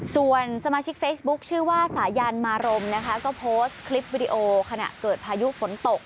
ส่วนสมาชิกเฟซบุ๊คชื่อว่าสายันมารมนะคะก็โพสต์คลิปวิดีโอขณะเกิดพายุฝนตก